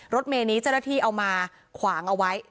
รถเมย์นี้เจ้าหน้าที่เอามาขวางเอาไว้